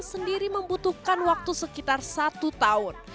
sendiri membutuhkan waktu sekitar satu tahun